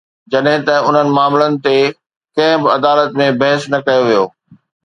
جڏهن ته انهن معاملن تي ڪنهن به عدالت ۾ بحث نه ڪيو ويو.